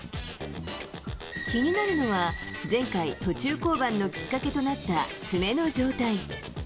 気になるのは、前回、途中降板のきっかけとなった爪の状態。